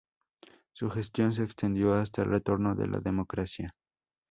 Su gestión se extendió hasta el retorno de la democracia.